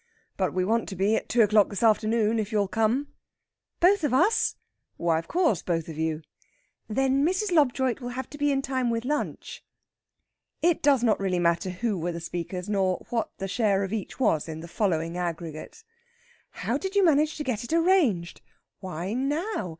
"But we want to be at two o'clock this afternoon, if you'll come...." "Both of us?" "Why of course, both of you." "Then Mrs. Lobjoit will have to be in time with lunch." It does not really matter who were the speakers, nor what the share of each was in the following aggregate: "How did you manage to get it arranged?" "Why now?